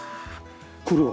これは？